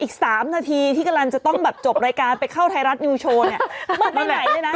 บางทีเราจะไม่รู้ว่า